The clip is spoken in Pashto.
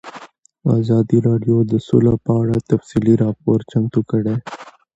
ازادي راډیو د سوله په اړه تفصیلي راپور چمتو کړی.